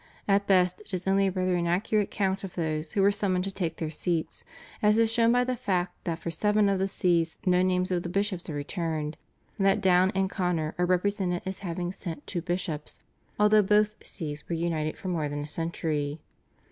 At best it is only a rather inaccurate account of those who were summoned to take their seats, as is shown by the fact that for seven of the Sees no names of the bishops are returned; and that Down and Connor are represented as having sent two bishops although both Sees were united for more than a century.